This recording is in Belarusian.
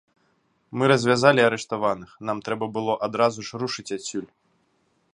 Мы развязалі арыштаваных, нам трэба было адразу ж рушыць адсюль.